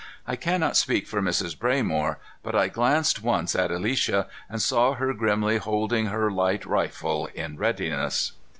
I cannot speak for Mrs. Braymore, but I glanced once at Alicia and saw her grimly holding her light rifle in readiness.